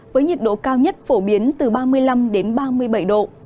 với nhiệt độ cao nhất phổ biến từ ba mươi năm đến ba mươi bảy độ